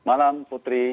selamat malam putri